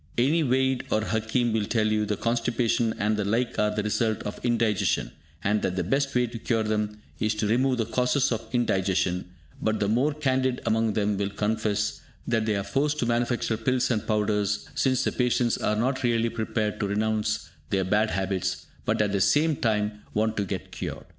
Any Vaid or Hakim will tell you that constipation and the like are the result of indigestion, and that the best way to cure them is to remove the causes of indigestion; but the more candid among them will confess that they are forced to manufacture pills and powders, since the patients are not really prepared to renounce their bad habits, but at the same time want to get cured.